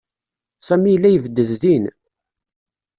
Sami yella yebded din.